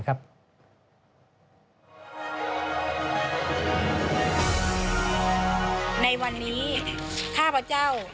ในวันนี้ข้าพเจ้า